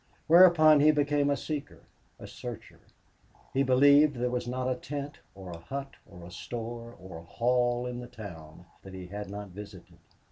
Whereupon he became a seeker, a searcher; he believed there was not a tent or a hut or a store or a hall in the town that he had not visited.